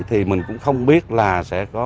thì mình cũng không biết là sẽ có